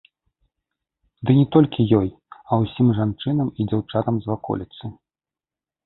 Ды не толькі ёй, а ўсім жанчынам і дзяўчатам з ваколіцы.